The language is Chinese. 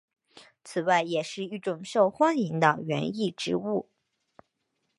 此外也是一种受欢迎的园艺植物。